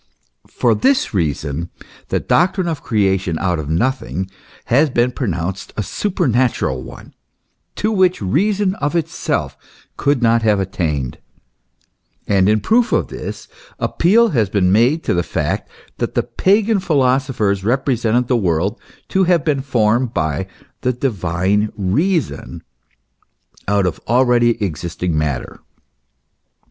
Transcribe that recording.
For this reason the doctrine of creation out of nothing has been pronounced a supernatural one, to which reason of itself could not have attained ; and in proof of this, appeal has been made to the fact that the Pagan philosophers represented the world to have been formed by the Divine Reason out of already existing matter.